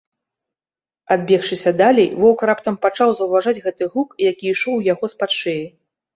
Адбегшыся далей, воўк раптам пачаў заўважаць гэты гук, які ішоў у яго з-пад шыі.